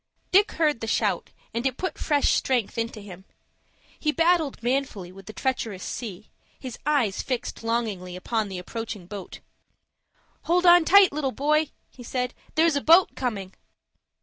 Dick heard the shout, and it put fresh strength into him. He battled manfully with the treacherous sea, his eyes fixed longingly upon the approaching boat. "Hold on tight, little boy," he said. "There's a boat coming."